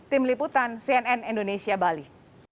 tim liputan cnn indonesia bali